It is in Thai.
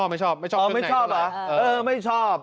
ไม่ชอบไม่ชอบ